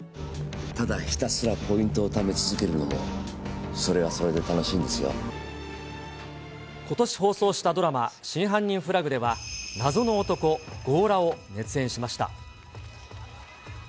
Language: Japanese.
ただひたすらポイントをため続けるの、それはそれで楽しいんことし放送したドラマ、真犯人フラグでは、謎の男、強羅を熱演しました。